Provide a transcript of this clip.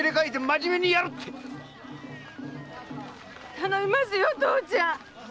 頼みますよ父ちゃん！